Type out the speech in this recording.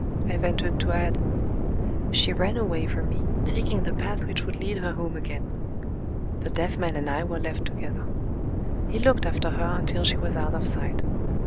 I ventured to add. She ran away from me, taking the path which would lead her home again. The deaf man and I were left together. He looked after her until she was out of sight.